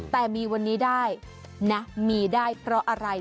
แต่มีวันนี้ได้นะมีได้เพราะอะไร